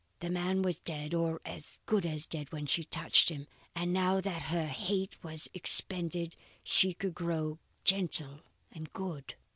The man was dead, or as good as dead, when she touched him; and now that her hate was expended she would grow gentle and good.